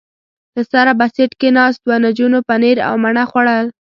له سره په سېټ کې ناست و، نجونو پنیر او مڼه خوړل.